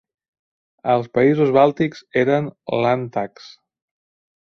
Als països bàltics eren "Landtags".